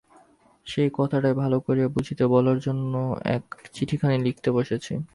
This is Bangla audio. সেই কথাটাই ভালো করে বুঝিয়ে বলবার জন্যে এই চিঠিখানি লিখতে বসেছি।